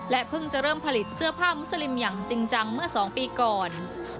เพิ่งจะเริ่มผลิตเสื้อผ้ามุสลิมอย่างจริงจังเมื่อ๒ปีก่อน